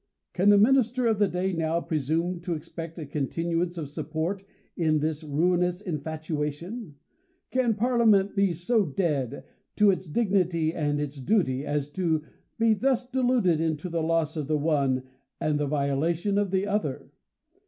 Can the Minister of the day now presume to expect a continuance of support, in this ruinous infatuation ? Can Parliament be so dead to its dignity and its duty, as to be thus deluded into the loss of the one, and the violation of the other?